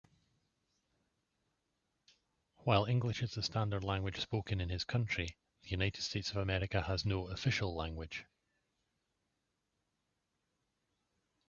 While English is the standard language spoken in his country, the United States of America has no official language.